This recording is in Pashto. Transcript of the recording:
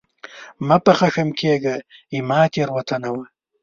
مه په خښم کېږه ، زما تېروتنه وه !